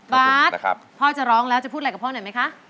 บาทพ่อจะร้องแล้วจะพูดอะไรกับพ่อหน่อยไหมคะ